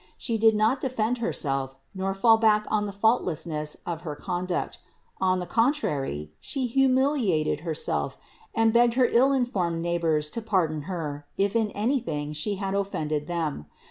She did not defend Herself, nor fall back on the faultlessness of her conduct; on the contrary, She humiliated Herself and begged Her ill informed neighbors to pardon Her, if in anything She had offended them.